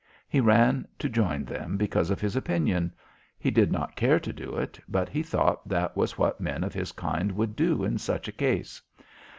He ran to join them because of his opinion. He did not care to do it, but he thought that was what men of his kind would do in such a case.